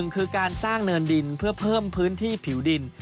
คือการสร้างเนินดินเพื่อเพิ่มพื้นที่ผิวดิน